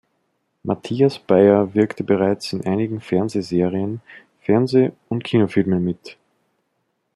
Matthias Beier wirkte bereits in einigen Fernsehserien, Fernseh- und Kinofilmen mit.